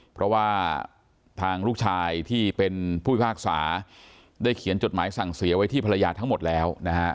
เพราะว่าทางลูกชายที่เป็นผู้พิพากษาได้เขียนจดหมายสั่งเสียไว้ที่ภรรยาทั้งหมดแล้วนะฮะ